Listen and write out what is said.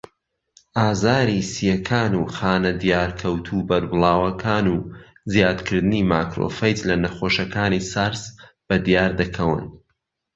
ئازاری سییەکان و خانە دیارکەوتوو بەربڵاوەکان و زیادکردنی ماکرۆفەیج لە نەخۆشەکانی سارس بەدیاردەکەون.